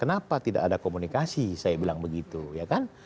kenapa tidak ada komunikasi saya bilang begitu ya kan